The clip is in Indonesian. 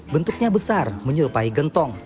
bentuknya besar menyerupai gentong